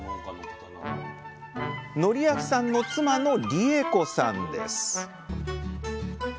訓章さんの妻の理恵子さんです